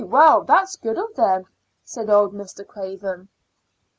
Well, that's good of them," said old Mr. Craven.